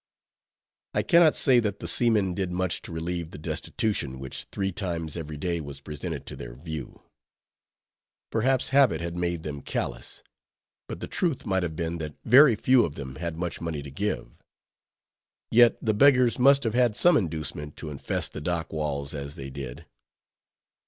I can not say that the seamen did much to relieve the destitution which three times every day was presented to their view. Perhaps habit had made them callous; but the truth might have been that very few of them had much money to give. Yet the beggars must have had some inducement to infest the dock walls as they did.